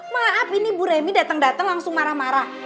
maaf ini bu remi dateng dateng langsung marah marah